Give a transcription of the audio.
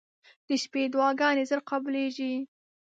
• د شپې دعاګانې زر قبلېږي.